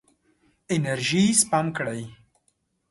انرژي سپم کړئ.